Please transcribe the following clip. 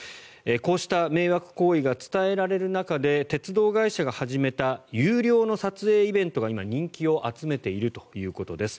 こうした迷惑行為が伝えられる中で鉄道会社が始めた有料の撮影イベントが今、人気を集めているということです。